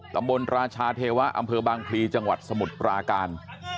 ราชาเทวะอำเภอบางพลีจังหวัดสมุทรปราการ